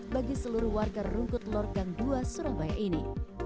bagi seluruh warga rungkut lor gang dua surabaya ini